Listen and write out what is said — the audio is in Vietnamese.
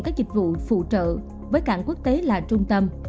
các dịch vụ phụ trợ với cảng quốc tế là trung tâm